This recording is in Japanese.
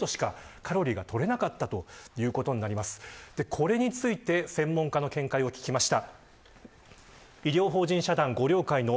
これについて専門家の見解を聞きました。